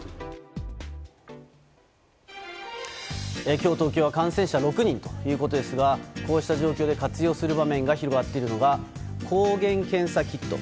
今日、東京は感染者６人ということですがこうした状況で活用する場面が広がっているのが抗原検査キット。